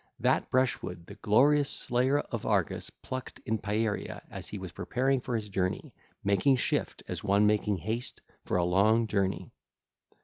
The brushwood the glorious Slayer of Argus plucked in Pieria as he was preparing for his journey, making shift 2515 as one making haste for a long journey.